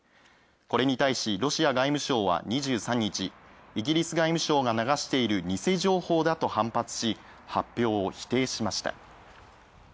これに対しロシア外務省は２３日、イギリス外務省が流している偽情報だと反発し、発表を否定しました。